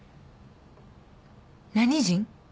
何人？